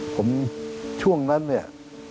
ผมช่วงนั้นเนี่ย